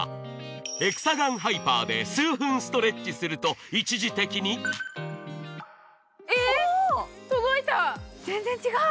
エクサガンハイパーで数分ストレッチすると、一時的に全然違う！